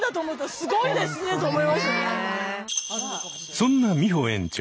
そんな美穂園長。